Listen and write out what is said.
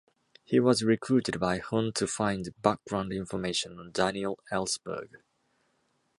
He was recruited by Hunt to find background information on Daniel Ellsberg.